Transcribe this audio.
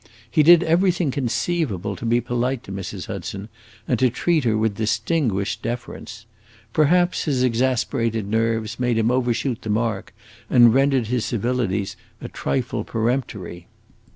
He did everything conceivable to be polite to Mrs. Hudson, and to treat her with distinguished deference. Perhaps his exasperated nerves made him overshoot the mark, and rendered his civilities a trifle peremptory.